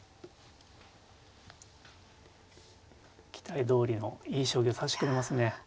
期待どおりのいい将棋を指してくれますね。